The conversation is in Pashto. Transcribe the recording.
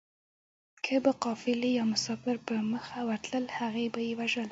که به قافله يا مسافر په مخه ورتلل هغه به يې وژل